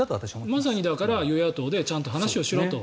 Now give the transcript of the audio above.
まさにだから与野党でちゃんと話をしようと。